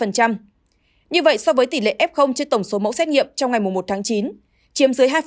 như vậy so với tỷ lệ f trên tổng số mẫu xét nghiệm trong ngày một tháng chín chiếm dưới hai